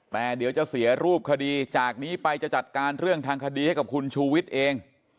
แต่เดี๋ยวจะเสียรูปคดีจากนี้ไปจะจัดการเรื่องทางคดีให้กับคุณชูวิทย์เอง